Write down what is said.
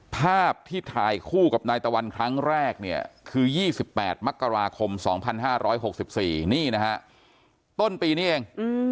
ภาพที่ถ่ายคู่กับนายตะวันครั้งแรกคือ๒๘มกราคม๒๕๖๔ต้นปีนี้เอง